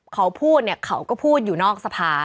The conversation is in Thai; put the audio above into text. เขาพูดเนี่ยเขาก็พูดอยู่นอกสภา